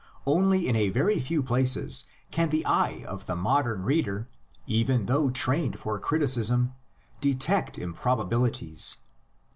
Only in a very few places can the eye of the modern reader, even though trained for criticism, detect improbabilities.